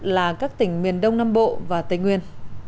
là các tỉnh miền đông nam bộ và tây nguyên